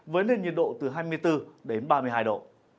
với nền nhiệt độ từ hai mươi bốn đến ba mươi hai độ